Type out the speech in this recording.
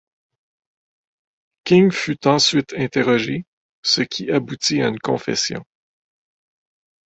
King fut ensuite interrogé, ce qui aboutit à une confession.